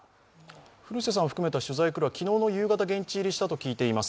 古瀬さん含めた取材クルーは昨日夕方に現地入りしたと聞いています。